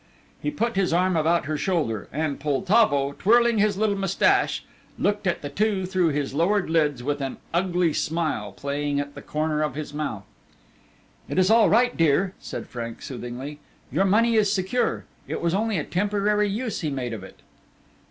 He put his arm about her shoulder, and Poltavo, twirling his little moustache, looked at the two through his lowered lids with an ugly smile playing at the corner of his mouth. "It is all right, dear," said Frank soothingly; "your money is secure it was only a temporary use he made of it."